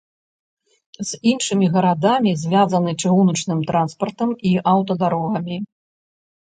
З іншымі гарадамі звязаны чыгуначным транспартам і аўтадарогамі.